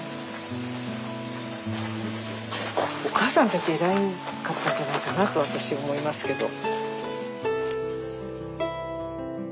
おかあさんたち偉かったんじゃないかなと私思いますけど。